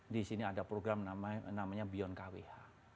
di sini ada program namanya beyond kwh